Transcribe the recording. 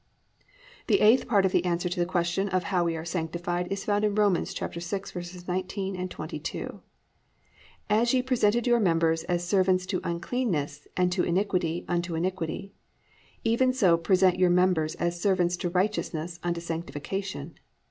8. The eighth part of the answer to the question of how we are sanctified is found in Rom. 6:19, 22, +"As ye presented your members as servants to uncleanness and to iniquity unto iniquity, even so present your members as servants to righteousness unto sanctification.